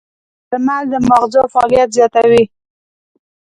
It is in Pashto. ځینې درمل د ماغزو فعالیت زیاتوي.